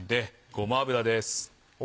ごま油です。